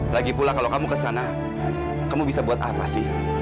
lagi pula kalau kamu ke sana kamu bisa buat apa sih